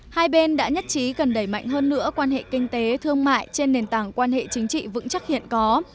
hai bên đã nhất trí cần đẩy mạnh hơn nữa quan hệ kinh tế thương mại trên nền tảng quan hệ chính trị vững chắc hiện có